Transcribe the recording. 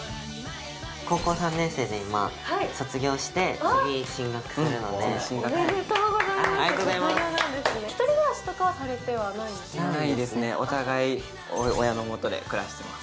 高校３年生で今卒業して次進学するのでありがとうございます卒業なんですねお互い親のもとで暮らしてます